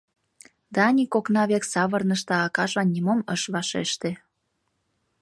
Даник окна век савырныш да акажлан нимом ыш вашеште.